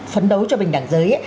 phấn đấu cho bình đẳng giới